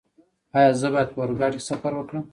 ایا زه باید په اورګاډي کې سفر وکړم؟